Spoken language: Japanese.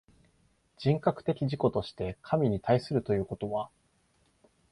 人格的自己として神に対するということは、